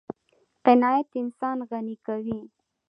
قناعت انسان غني کوي.